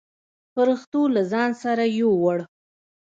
پرښتو له ځان سره يووړ.